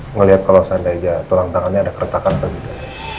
ngelihat kalau seandainya tulang tangannya ada keretakan atau tidak